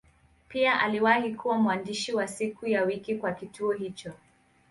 Pia aliwahi kuwa mwandishi wa siku ya wiki kwa kituo hicho.